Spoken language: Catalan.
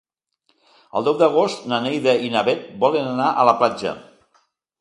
El deu d'agost na Neida i na Bet volen anar a la platja.